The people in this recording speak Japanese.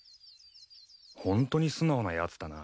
ホントに素直なやつだな。